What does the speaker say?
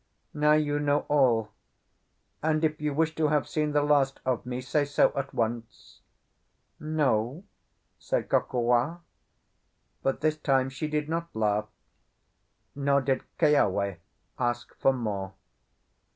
Now you know all, and if you wish to have seen the last of me, say so at once." "No," said Kokua; but this time she did not laugh, nor did Keawe ask for more.